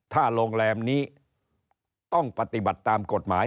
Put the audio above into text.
ถ้าโรงแรมนี้ต้องปฏิบัติตามกฎหมาย